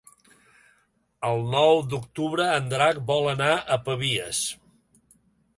El nou d'octubre en Drac vol anar a Pavies.